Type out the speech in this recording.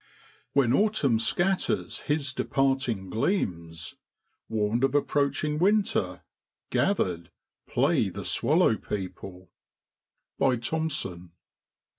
' When Autumn scatters his departing gleams, Warned of approaching winter, gathered, play The swallow people ' Thompson.